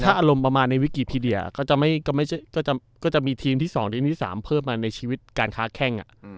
ถ้าอารมณ์ประมาณในวิกิพีเดียก็จะมีทีมที่๒ทีมที่๓เพิ่มมาในชีวิตการค้าแข้ง